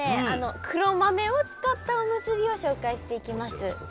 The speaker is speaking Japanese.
黒豆を使ったおむすびを紹介していきます。